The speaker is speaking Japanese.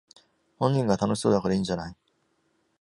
本人が楽しそうだからいいんじゃない